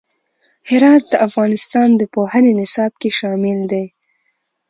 هرات د افغانستان د پوهنې نصاب کې شامل دي.